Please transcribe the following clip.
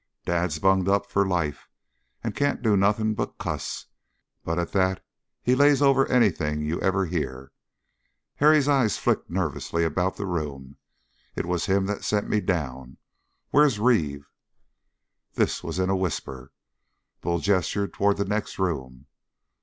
"Dad's bunged up for life; can't do nothing but cuss, but at that he lays over anything you ever hear." Harry's eyes flicked nervously about the room. "It was him that sent me down! Where's Reeve?" This was in a whisper. Bull gestured toward the next room.